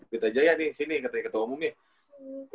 pintajaya nih sini ketua umumnya